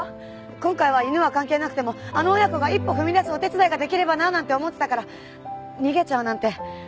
今回は犬は関係なくてもあの親子が一歩踏み出すお手伝いができればなあなんて思ってたから逃げちゃうなんて。